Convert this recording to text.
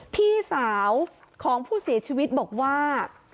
พี่สาวของผู้เสียชีวิตบอกว่า